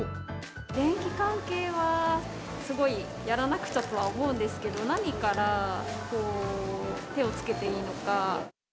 電気関係は、すごいやらなくちゃとは思うんですけど、何から手をつけていいのか。